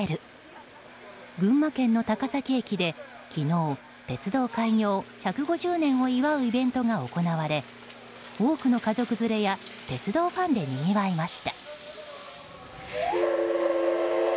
群馬県の高崎駅で昨日鉄道開業１５０年を祝うイベントが行われ多くの家族連れや鉄道ファンでにぎわいました。